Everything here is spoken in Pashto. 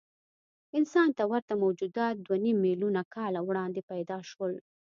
انسان ته ورته موجودات دوهنیم میلیونه کاله وړاندې پیدا شول.